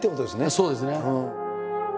そうですね。